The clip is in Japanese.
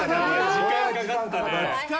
時間かかったね。